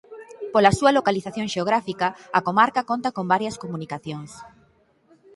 Pola súa localización xeográfica a comarca conta con varias comunicacións.